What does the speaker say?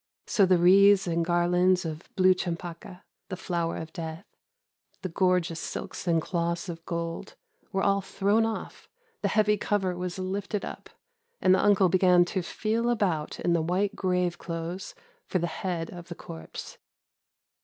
So the wreaths and garlands of 'blue chempaka,' the flower of death, the gorgeous silks and cloths of gold, were all thrown off, the heavy cover was lifted up, and the uncle began to feel about in the white grave clothes for the head of the corpse.